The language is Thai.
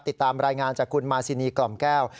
ติดตามรายงานจากคุณมาซินีกล่อมแก้ว